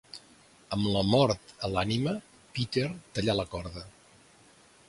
Amb la mort a l'ànima, Peter talla la corda.